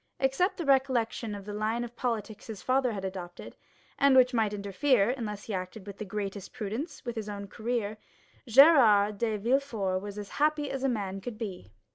Except the recollection of the line of politics his father had adopted, and which might interfere, unless he acted with the greatest prudence, with his own career, Gérard de Villefort was as happy as a man could be.